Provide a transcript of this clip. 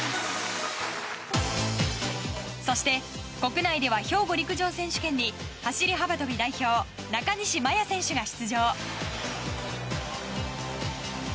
そして、国内では兵庫陸上選手権に走幅跳代表中西麻耶選手が出場。